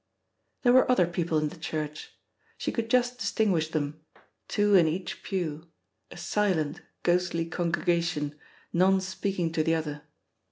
There were other people in the church. She could just distinguish them, two in each pew, a silent, ghostly congregation, none speaking to the other.